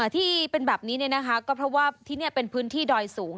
ที่เป็นแบบนี้ก็เพราะว่าที่นี่เป็นพื้นที่ดอยสูง